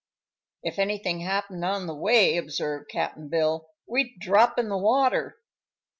"If anything happened on the way," observed Cap'n Bill, "we'd drop in the water."